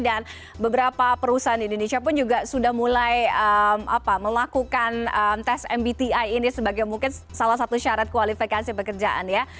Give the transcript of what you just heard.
dan beberapa perusahaan di indonesia pun juga sudah mulai melakukan tes mbti ini sebagai mungkin salah satu syarat kualifikasi pekerjaan ya